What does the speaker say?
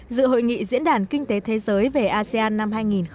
dự hội nghị diễn đàn kinh tế thế giới về asean năm hai nghìn một mươi tám